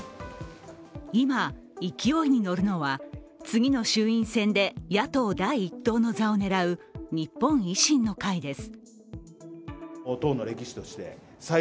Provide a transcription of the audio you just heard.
今、勢いに乗るのは次の衆院選で野党第一党の座を狙う、日本維新の会です。